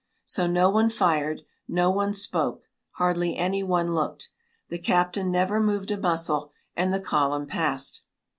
So no one fired; no one spoke; hardly anyone looked. The captain never moved a muscle, and the column passed.